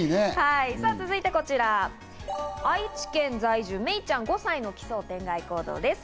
続いてこちら、愛知県在住めいちゃん５歳の奇想天外行動です。